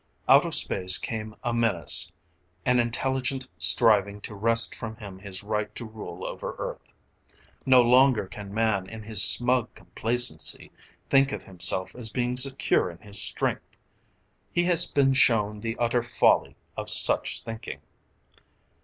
Out of space came a menace, an intelligence striving to wrest from him his right to rule over Earth. No longer can man in his smug complacency think of himself as being secure in his strength. He has been shown the utter folly of such thinking.